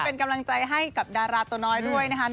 เป็นกำลังใจให้กับดาราตัวน้อยด้วยนะคะ